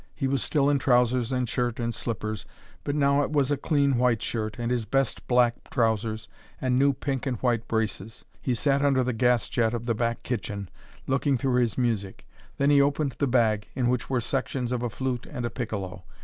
He was still in trousers and shirt and slippers: but now it was a clean white shirt, and his best black trousers, and new pink and white braces. He sat under the gas jet of the back kitchen, looking through his music. Then he opened the bag, in which were sections of a flute and a piccolo.